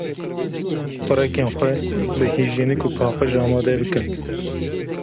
Xurekên xwe bi hîjyenîk û paqîj amade bikin.